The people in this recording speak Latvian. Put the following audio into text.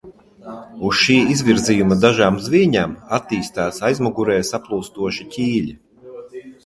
Uz šī izvirzījuma dažām zvīņām attīstās aizmugurē saplūstoši ķīļi.